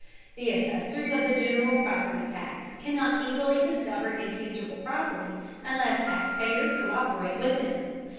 The assessors of the general property tax cannot easily discover intangible property, unless taxpayers co÷perate with them.